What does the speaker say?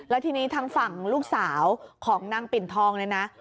แล้วทีนี้ทางฝั่งลูกสาวของนางปิ่นทองเนี่ยนะ